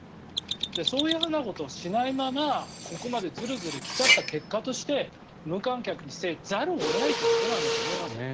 そういうことをしないままここまでずるずる来ちゃった結果として無観客にせざるを得ないんだということだと思います。